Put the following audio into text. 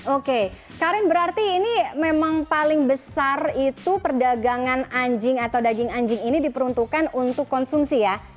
oke karin berarti ini memang paling besar itu perdagangan anjing atau daging anjing ini diperuntukkan untuk konsumsi ya